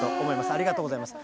ありがとうございます。